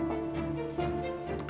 aku nyaliin kalian berdua kok